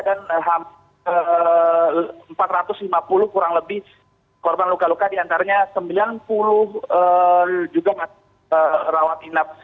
dan empat ratus lima puluh kurang lebih korban luka luka di antaranya sembilan puluh juga rawat inap